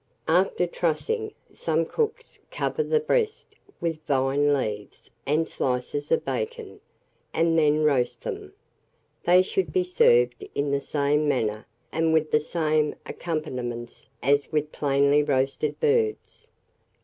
After trussing, some cooks cover the breast with vine leaves and slices of bacon, and then roast them. They should be served in the same manner and with the same accompaniments as with the plainly roasted birds.